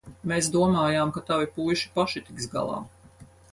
Mēs domājām, ka tavi puiši paši tiks galā.